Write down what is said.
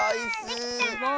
できた！